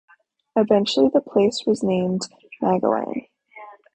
Eventually, the place was renamed Magalang.